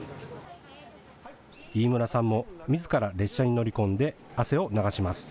飯村さんも、みずから列車に乗り込んで汗を流します。